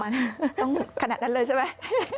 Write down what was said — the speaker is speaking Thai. มันต้องขนาดนั้นเลยใช่ไหม